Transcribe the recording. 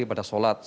itu hartan timurautu